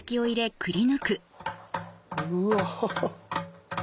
うわ。